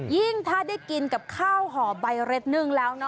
ยิ่งถ้าได้กินกับข้าวห่อใบเร็ดนึ่งแล้ว